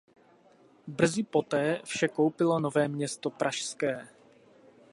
Brzy poté vše koupilo Nové Město pražské.